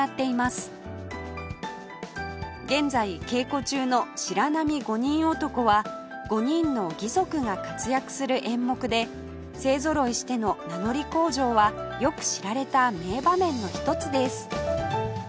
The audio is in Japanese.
現在稽古中の『白浪五人男』は５人の義賊が活躍する演目で勢ぞろいしての名乗り口上はよく知られた名場面の一つです